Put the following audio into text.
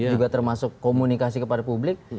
juga termasuk komunikasi kepada publik